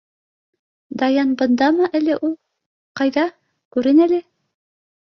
— Даян бындамы әле ул? Ҡайҙа, күрен әле.